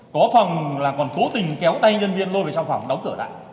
có phòng là còn cố tình kéo tay nhân viên lôi về trong phòng đóng cửa lại